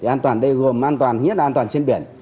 an toàn đây gồm an toàn nhất là an toàn trên biển